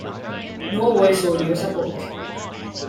No voice audio support.